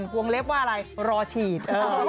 วงเล็บว่าอะไรรอฉีด